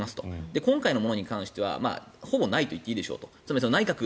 でも今回に関してはほぼないと言っていいでしょうと。